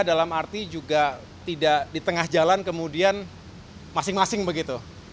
dalam arti juga tidak di tengah jalan kemudian masing masing begitu